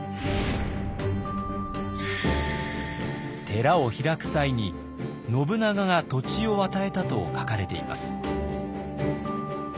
寺を開く際に信長が土地を与えたと書かれています。